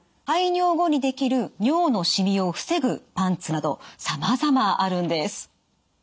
排尿後に出来る尿の染みを防ぐパンツなどさまざまあるんです。